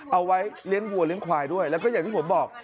เอาไว้เลี้ยงวัวเลี้ยงควายด้วยแล้วก็อย่างที่ผมบอก